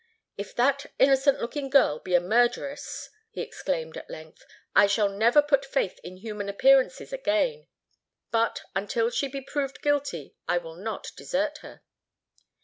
"If that innocent looking girl be a murderess," he exclaimed at length, "I shall never put faith in human appearances again. But, until she be proved guilty, I will not desert her."